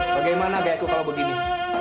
bagaimana kayakku kalau begini